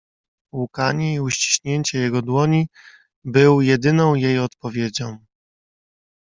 "Łkanie i uściśnięcie jego dłoni był jedyną jej odpowiedzią."